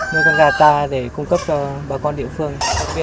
nuôi con gà ta để cung cấp cho bà con địa phương